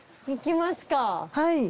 行きますか。